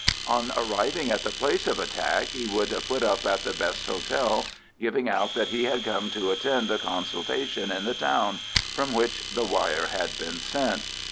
On arriving at the place of attack he would put up at the best hotel, giving out that he had come to attend a consultation in the town, from which the wire had been sent.